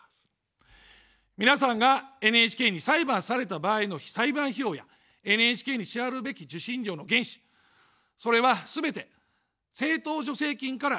皆さんがＮＨＫに裁判された場合の裁判費用や、ＮＨＫに支払うべき受信料の原資、それはすべて政党助成金から捻出されます。